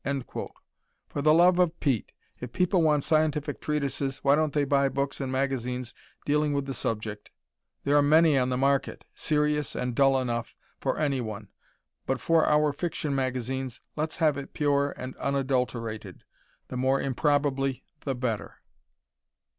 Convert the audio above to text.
For the love of Pete, if people want scientific treatises, why don't they buy books and magazines dealing with the subject? There are many on the market serious and dull enough for anyone. But for our fiction magazines, let's have it pure and unadulterated, the more improbably the better.